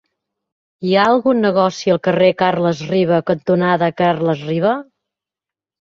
Hi ha algun negoci al carrer Carles Riba cantonada Carles Riba?